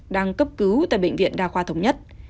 đang cấp cứu tại bệnh viện đa khoa thống nhất